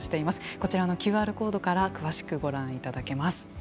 こちらのＱＲコードから詳しくご覧いただけます。